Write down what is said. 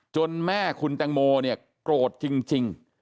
แม่คุณแตงโมเนี่ยโกรธจริง